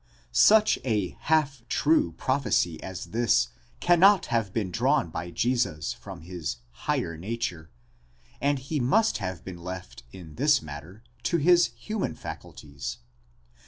Such a half true prophecy as this cannot have been drawn by Jesus from his higher nature, and he must have been left in this matter to his human faculties.